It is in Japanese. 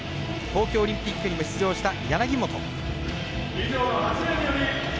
東京オリンピックにも出場した、柳本。